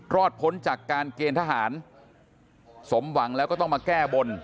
พ้นจากการเกณฑ์ทหารสมหวังแล้วก็ต้องมาแก้บน